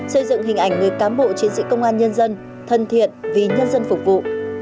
xây dựng hình ảnh người cám bộ chiến sĩ công an nhân dân thân thiện vì nhân dân phục vụ